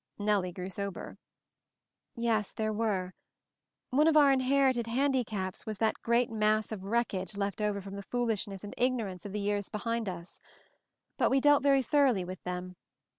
Nellie grew sober. "Yes, there were. One of our inherited handicaps was that great mass of wreckage left over from the foolishness and ignorance of the years be hind us. But we dealt very thoroughly with them.